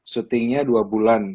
syutingnya dua bulan